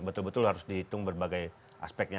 betul betul harus dihitung berbagai aspeknya